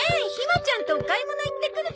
ちゃんとお買い物行ってくるから。